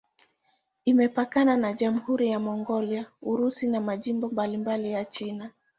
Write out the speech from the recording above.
Imepakana na Jamhuri ya Mongolia, Urusi na majimbo mbalimbali ya China.